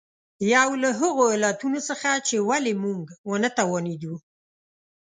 یو له هغو علتونو څخه چې ولې موږ ونه توانېدو.